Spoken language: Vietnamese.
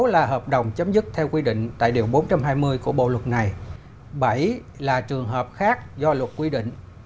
sáu là hợp đồng chấm dứt theo quy định tại điều bốn trăm hai mươi của bộ luật này bảy là trường hợp khác do luật quy định